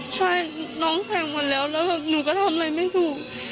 ใช่น้องแข็งหมดแล้วแล้วหนูก็ทำอะไรไม่ถูก